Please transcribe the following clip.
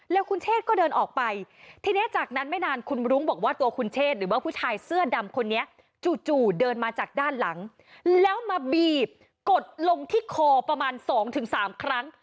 แล้วคุณเชษก็เดินออกไปทีนี้จากนั้นไม่นานคุณรุ้งบอกว่าตัวคุณเชษหรือว่าผู้ชายเสื้อดำคนนี้จู่เดินมาจากด้านหลังแล้วมาบีบกดลงที่คอประมาณ๒๓ครั้ง